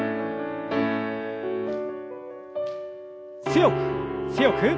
強く強く。